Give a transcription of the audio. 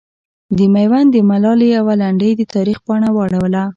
د میوند د ملالې یوه لنډۍ د تاریخ پاڼه واړوله.